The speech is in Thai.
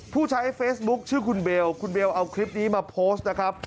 ผู้ใช้เฟซบุ๊คชื่อคุณเบลคุณเบลเอาคลิปนี้มาโพสต์นะครับ